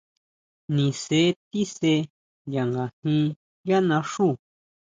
Nise tíse ya ngajín yá naxú.